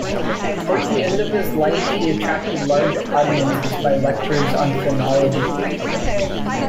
Towards the end of his life he attracted large audiences by lectures on phrenology.